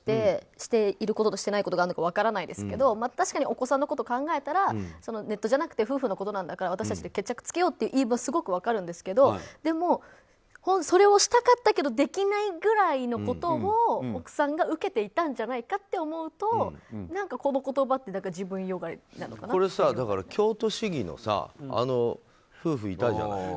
していることとしていないことがあるのか分からないですけど確かにお子さんのことを考えたらネットじゃなくて夫婦のことなんだから私たちで決着つけようというのはすごく分かるんですけどでも、それをしたかったけどできないぐらいのことを奥さんが受けていたんじゃないかって思うと何かこの言葉って京都市議の夫婦いたじゃない。